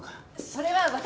それは私